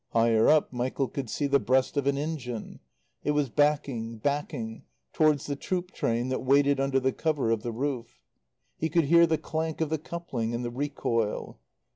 Higher up Michael could see the breast of an engine; it was backing, backing, towards the troop train that waited under the cover of the roof. He could hear the clank of the coupling and the recoil.